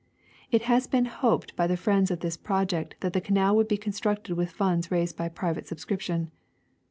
It has been hoped by the friends of this project that the canal would be constructed with funds raised by private subscription.